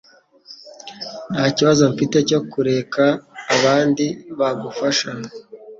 Ntakibazo mfite cyo kureka abandi bagufasha.